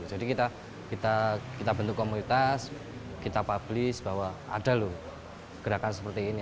jadi kita bentuk komunitas kita publis bahwa ada lho gerakan seperti ini